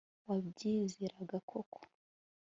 wabyizeraga koko